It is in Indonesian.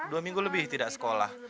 dua minggu lebih tidak sekolah